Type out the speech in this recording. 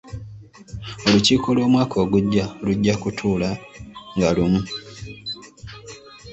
Olukiiko lw'Omwaka ogujja lujja kutuula nga lumu.